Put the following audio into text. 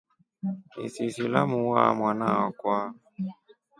Isisi lamuwaa mwana akwa.